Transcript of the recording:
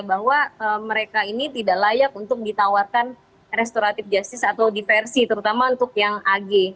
bahwa mereka ini tidak layak untuk ditawarkan restoratif justice atau diversi terutama untuk yang ag